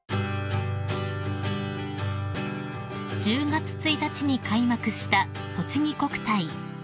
［１０月１日に開幕したとちぎ国体］